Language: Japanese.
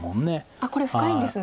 あっこれ深いんですね。